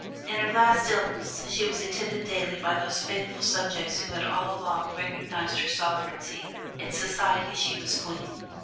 In her last illness she was attended daily by those faithful subjects who had all along recognized her sovereignty in Society she was Queen.